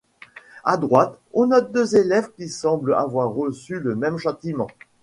À droite, on note deux élèves qui semblent avoir reçu le même châtiment.